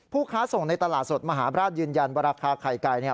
ค้าส่งในตลาดสดมหาบราชยืนยันว่าราคาไข่ไก่เนี่ย